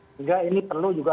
sehingga ini perlu juga